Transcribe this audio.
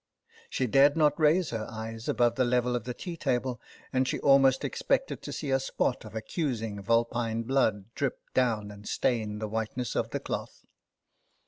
She dared not raise her eyes above the level of the tea table, and she almost expected to see a spot of accusing vulpine blood drip down and stain the whiteness of the cloth.